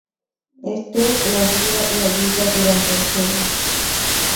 Este la guía y ayuda durante el juego.